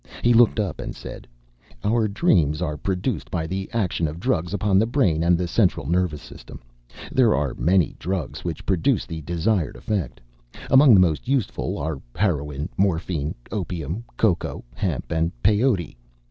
He looked up and said, "Our dreams are produced by the action of drugs upon the brain and the central nervous system. There are many drugs which produce the desired effect. Among the most useful are heroin, morphine, opium, coca, hemp, and peyote.